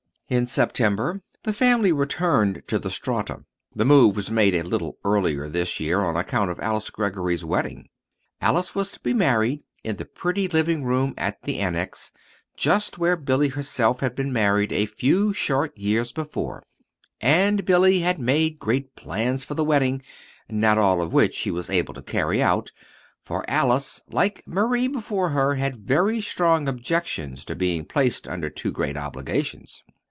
In September the family returned to the Strata. The move was made a little earlier this year on account of Alice Greggory's wedding. Alice was to be married in the pretty living room at the Annex, just where Billy herself had been married a few short years before; and Billy had great plans for the wedding not all of which she was able to carry out, for Alice, like Marie before her, had very strong objections to being placed under too great obligations.